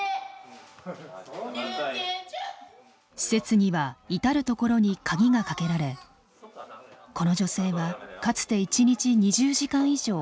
施設には至る所に鍵がかけられこの女性はかつて一日２０時間以上居室に閉じ込められていました。